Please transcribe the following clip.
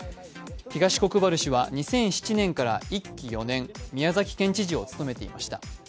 東国原氏は２００７年から一期４年宮崎県知事を務めていました。